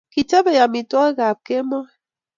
Kichopei amitwokik ab kemoi